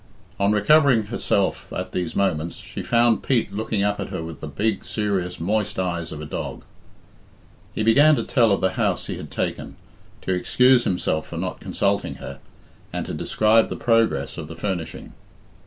On recovering herself at these moments, she found Pete looking up at her with the big, serious, moist eyes of a dog. He began to tell of the house he had taken, to excuse himself for not consulting her, and to describe the progress of the furnishing.